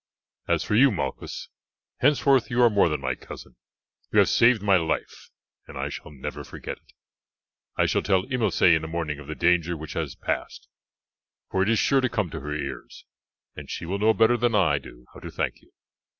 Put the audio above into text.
As for you, Malchus, henceforth you are more than my cousin; you have saved my life, and I shall never forget it. I shall tell Imilce in the morning of the danger which has passed, for it is sure to come to her ears, and she will know better than I do how to thank you."